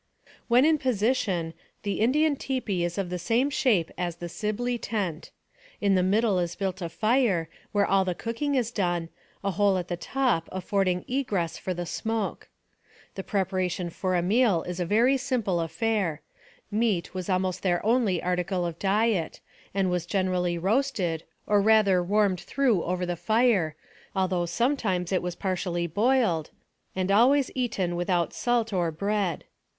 When in position, the Indian tipi is of the same shape as the Sibley tent. In the middle is built a fire, where all the cooking is done, a hole at the top afford ing egress for the smoke. The preparation for a meal is a very simple affair. Meat was almost their only article of diet, and was generally roasted, or rather warmed through over the fire, though sometimes it was AMONG THE SIOUX INDIANS. 177 partially boiled, and always eaten without salt or bread.